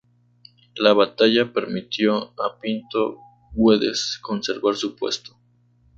La batalla permitió a Pinto Guedes conservar su puesto.